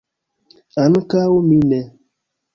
Ankaŭ mi ne.